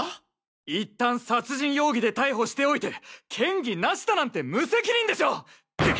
一旦殺人容疑で逮捕しておいて嫌疑ナシだなんて無責任でしょう！